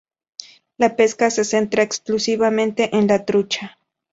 La pesca se centra exclusivamente en la trucha.